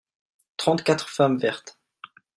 trente quatre femmes vertes.